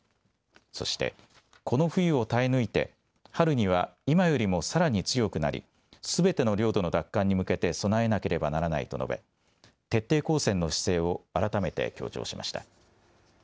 そして、この冬を耐え抜いて、春には今よりもさらに強くなり、すべての領土の奪還に向けて備えなければならないと述べ、徹底抗戦の姿勢を改めて強調しました。